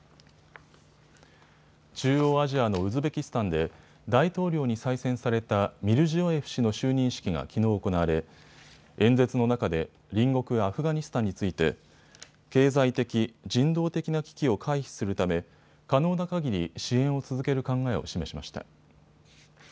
中央アジアのウズベキスタンで大統領に再選されたミルジヨエフ氏の就任式がきのう行われ演説の中で隣国アフガニスタンについて経済的、人道的な危機を回避するため可能なかぎり支援を続ける考えを示しました。